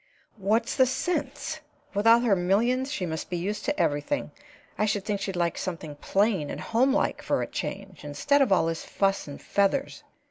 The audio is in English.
"What's the sense? With all her millions she must be used to everything. I should think she'd like something plain and homelike for a change, instead of all this fuss and feathers.